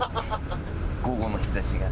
午後の日差しが。